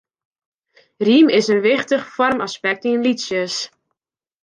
Rym is in wichtich foarmaspekt yn lietsjes.